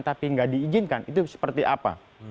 tapi tidak diijinkan itu seperti apa